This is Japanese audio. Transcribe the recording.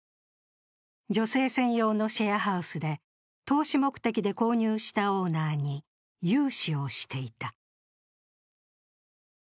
女性専用のシェアハウスで投資目的で購入したオーナーに融資をしていた。